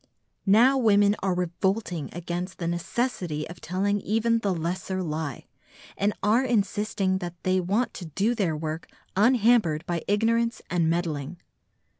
Now women are revolting against the necessity of telling even the lesser lie, and are insisting that they want to do their work unhampered by ignorance and meddling.